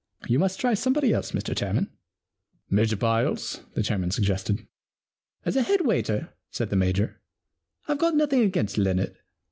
You must try somebody else, Mr Chairman.' * Major Byles ?' the chairman suggested. * As a head waiter,' said the Major, * Fve got nothing against Leonard.